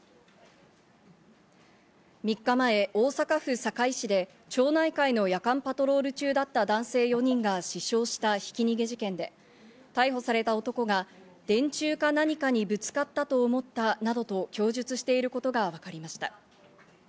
３日前、大阪府堺市で、町内会の夜間パトロール中だった男性４人が死傷したひき逃げ事件で、逮捕された男が電柱か何かにぶつかったと思ったなどと供述していることがわかりました。